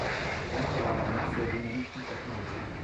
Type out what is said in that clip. Darunter waren Ferdinand und Edmund.